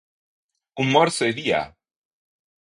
Un morso e via!